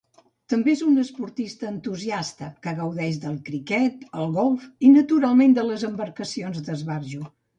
També és un esportista entusiasta, que gaudeix del criquet, el golf i, naturalment, de les embarcacions d'esbarjo.